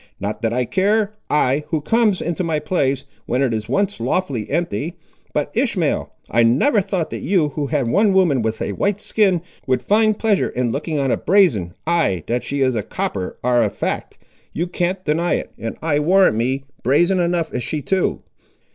Not that I care, I, who comes into my place, when it is once lawfully empty; but, Ishmael, I never thought that you, who have had one woman with a white skin, would find pleasure in looking on a brazen—ay, that she is copper ar' a fact; you can't deny it, and I warrant me, brazen enough is she too!"